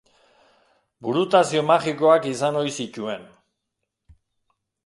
Burutazio magikoak izan ohi zituen.